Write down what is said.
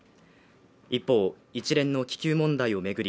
一方一連の気球問題を巡り